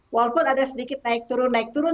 walaupun ada sedikit naik turun naik turun